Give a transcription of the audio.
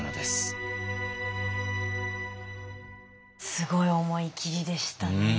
すごい思い切りでしたね。